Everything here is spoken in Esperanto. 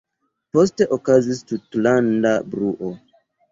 Poste okazis tutlanda bruo.